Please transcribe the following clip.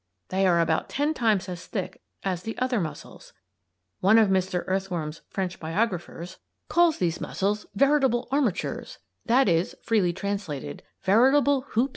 They are about ten times as thick as the other muscles. One of Mr. Earthworm's French biographers calls these muscles "veritable armatures"; that is, freely translated, "veritable hoops of steel."